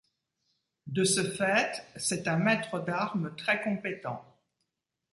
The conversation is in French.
De ce fait, c'est un maitre d'armes très compétent.